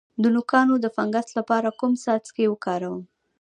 د نوکانو د فنګس لپاره کوم څاڅکي وکاروم؟